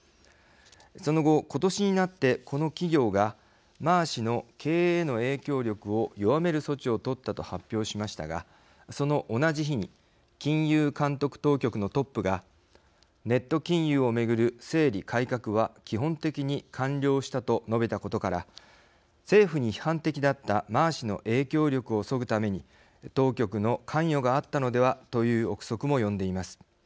その後、今年になってこの企業がマー氏の経営への影響力を弱める措置を取ったと発表しましたがその同じ日に金融監督当局のトップが「ネット金融をめぐる整理改革は基本的に完了した」と述べたことから政府に批判的だったマー氏の影響力をそぐために当局の関与があったのではという臆測も呼んでいます。